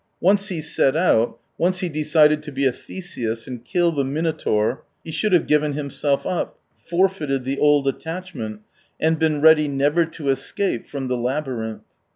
Once he set out, once he decided to be a Theseus and kill the Minotaur, he should have given himself up, forfeited the old attachment, and been ready never to escape from the labyrinth.